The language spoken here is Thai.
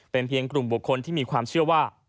เป็นเพียงกลุ่มบุคคลที่มีความเชื่อว่า